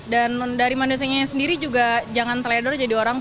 dan dari manusianya sendiri juga jangan teledor jadi orang